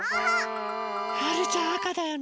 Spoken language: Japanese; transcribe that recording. はるちゃんあかだよね。